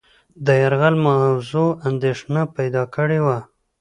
د یرغل موضوع اندېښنه پیدا کړې وه.